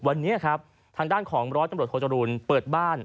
วันนี้ครับทางด้านของร้อยตำรวจโทจรูลเปิดบ้าน